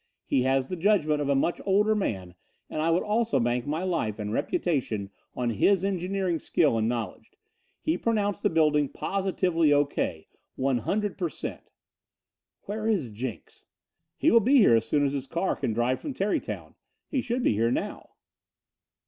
He has the judgment of a much older man and I would also bank my life and reputation on his engineering skill and knowledge. He pronounced the building positively O.K. 100 per cent." "Where is Jenks?" "He will be here as soon as his car can drive down from Tarrytown. He should be here now."